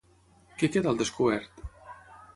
Què queda al descobert?